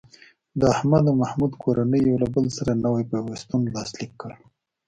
د احمد او محمود کورنۍ یو له بل سره نوی پیوستون لاسلیک کړ.